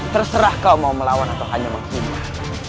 terserah kau mau melawan atau hanya menghina